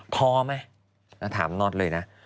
ทอไหมถามน็อตเลยนะ